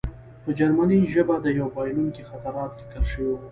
په جرمني ژبه د یوه بایلونکي خاطرات لیکل شوي وو